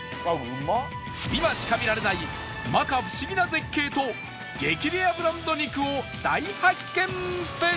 今しか見られない摩訶不思議な絶景と激レアブランド肉を大発見スペシャル